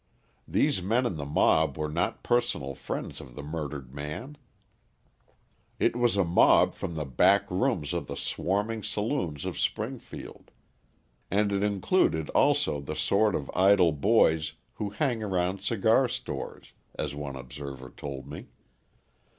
these men in the mob were not personal friends of the murdered man; it was a mob from the back rooms of the swarming saloons of Springfield; and it included also the sort of idle boys "who hang around cigar stores," as one observer told me.